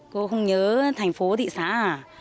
cô không nhớ thành phố thị xá à